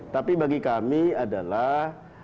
tapi bagi kami adalah